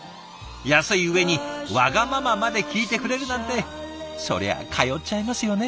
安い上にワガママまで聞いてくれるなんてそりゃ通っちゃいますよね。